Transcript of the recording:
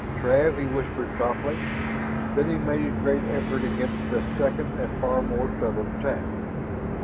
"Trav!" he whispered softly. Then he made his great effort against this second and far more subtle attack.